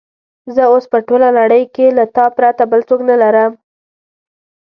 زه اوس په ټوله نړۍ کې له تا پرته بل څوک نه لرم.